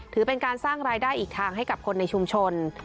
ถือเป็นการสร้างรายได้อีกทางให้กับคนในชุมชน